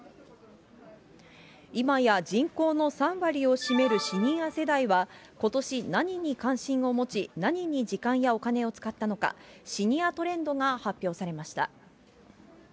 今や人口の３割を占めるシニア世代は、ことし、何に関心を持ち、何に時間やお金を使ったのか、シニアトレンドが発表されました。